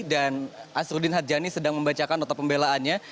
dan asruddin hadjani sedang membacakan nota pembelaannya